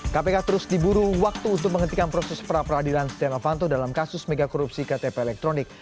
kpk terus diburu waktu untuk menghentikan proses pra peradilan setia novanto dalam kasus megakorupsi ktp elektronik